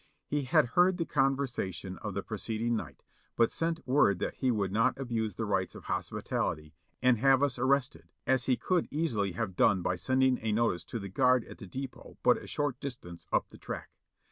He had heard the conversation of the preceding night, but sent word that he would not abuse the rights of hospitality and have us arrested, as he could easily have done by sending a no tice to the guard at the depot but a short distance up the track.